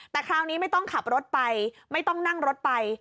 แต่คราวนี้ไม่ต้องขับรถไปไม่ต้องนั่งรถไป